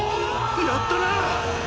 やったな！